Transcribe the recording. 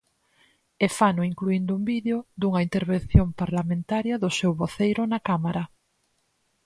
E fano incluíndo un vídeo dunha intervención parlamentaria do seu voceiro na Cámara.